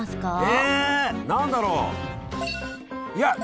え何だろう？